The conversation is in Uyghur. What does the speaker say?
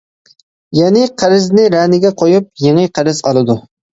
يەنى قەرزنى رەنىگە قويۇپ يېڭى قەرز ئالىدۇ.